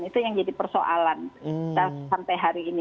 itu yang jadi persoalan kita sampai hari ini